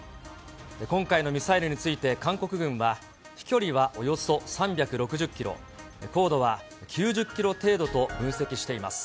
今回のミサイルについて韓国軍は、飛距離はおよそ３６０キロ、高度は９０キロ程度と分析しています。